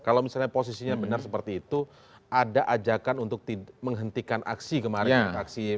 kalau misalnya posisinya benar seperti itu ada ajakan untuk menghentikan aksi kemarin